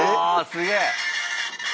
すげえ！